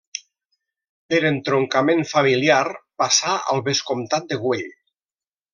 Per entroncament familiar passà al vescomtat de Güell.